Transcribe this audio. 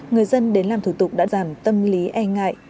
người dân đến làm thủ tục đã giảm tâm lý e ngại